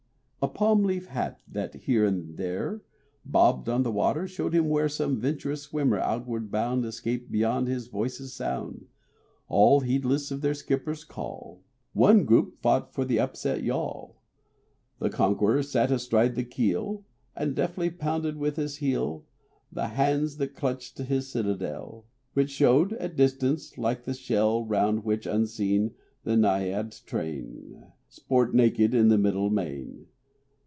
A palm leaf hat, that here and there Bobbed on the water, showed him where Some venturous swimmer outward bound Escaped beyond his voice's sound. All heedless of their skipper's call, One group fought for the upset yawl. The conqueror sat astride the keel And deftly pounded with his heel The hands that clutched his citadel, Which showed at distance like the shell Round which, unseen, the Naiad train Sport naked on the middle main.